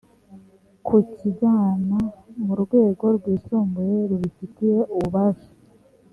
kukijyana mu rwego rwisumbuye rubifitiye ububasha